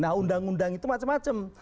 nah undang undang itu macam macam